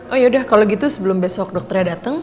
oh yaudah kalo gitu sebelum besok dokternya dateng